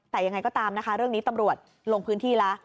แต่ยังไงก็ตามนะคะเรื่องนี้ตำรวจลงพื้นที่แล้ว